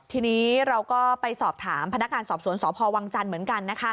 ทีนี้เราก็ไปสอบถามพนักงานสอบสวนสพวังจันทร์เหมือนกัน